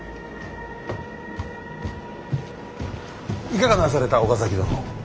いかがなされた岡崎殿。